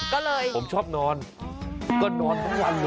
ก็เลยผมชอบนอนก็นอนทั้งวันเลย